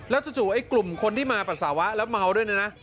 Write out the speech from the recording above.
แล้วจุดไอ้กลุ่มคนที่มาปัสสาวะแล้วเมาด้วยนะ